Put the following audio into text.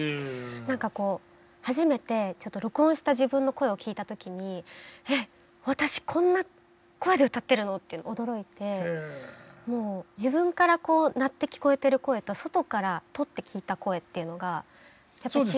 何かこう初めてちょっと録音した自分の声を聞いた時にえっ私こんな声で歌ってるのって驚いて自分からこう鳴って聞こえてる声と外から録って聞いた声っていうのがやっぱり違う。